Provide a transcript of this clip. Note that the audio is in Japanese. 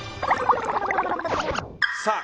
さあ